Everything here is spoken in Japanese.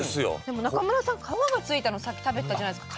でも中村さん皮がついたのさっき食べてたじゃないですか。